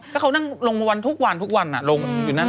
แล้วเขานั่งลงโปรโมทราคต์ทุกวันลงอยู่นั่ง